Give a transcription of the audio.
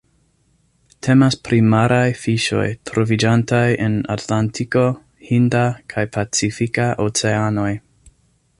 Temas pri maraj fiŝoj troviĝantaj en Atlantiko, Hinda kaj Pacifika Oceanoj.